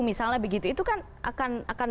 misalnya begitu itu kan akan